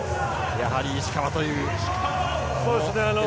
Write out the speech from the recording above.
やはり石川というところ。